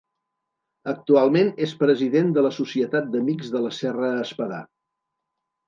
Actualment és president de la Societat d'Amics de la Serra Espadà.